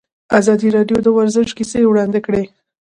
ازادي راډیو د ورزش کیسې وړاندې کړي.